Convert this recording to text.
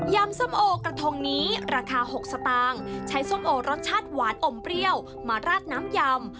ส้มโอกระทงนี้ราคา๖สตางค์ใช้ส้มโอรสชาติหวานอมเปรี้ยวมาราดน้ำยำ